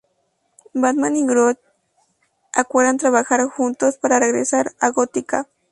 Batman y Grodd acuerdan trabajar juntos para regresar a Gótica.